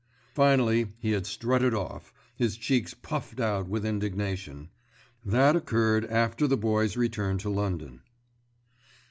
Finally he had strutted off, his cheeks puffed out with indignation. That occurred after the Boy's return to London.